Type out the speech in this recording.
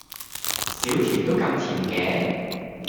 少甜都咁甜嘅？